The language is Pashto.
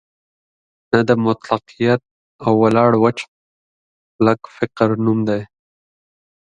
نه د مطلقیت او ولاړ وچ کلک فکر نوم دی.